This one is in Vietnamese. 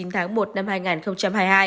hai mươi chín tháng một năm hai nghìn hai mươi hai